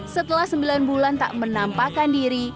setelah sembilan bulan tak menampakkan diri